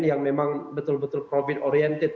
yang memang betul betul profit oriented